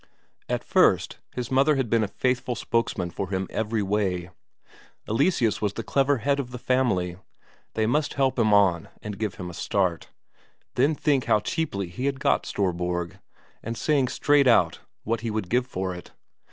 At first, his mother had been a faithful spokesman for him every way. Eleseus was the clever head of the family; they must help him on and give him a start; then think how cheaply he had got Storborg, and saying straight out what he would give for it!